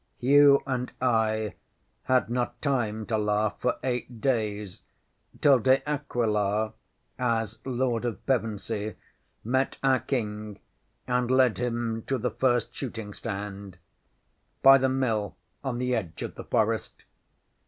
ŌĆśHugh and I had not time to laugh for eight days, till De Aquila, as Lord of Pevensey, met our King and led him to the first shooting stand by the Mill on the edge of the forest.